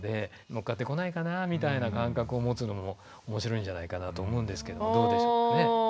乗っかってこないかなみたいな感覚を持つのもおもしろいんじゃないかなと思うんですけどどうでしょうかね。